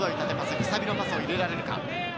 くさびのパスを入れられるか？